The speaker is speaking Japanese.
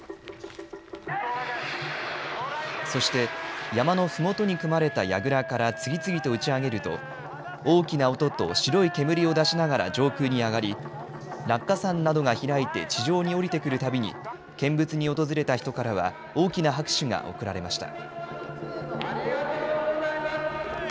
そして、山のふもとに組まれたやぐらから次々と打ち上げると大きな音と白い煙を出しながら上空に上がり落下傘などが開いて地上に降りてくるたびに見物に訪れた人からは大きな拍手が送られました。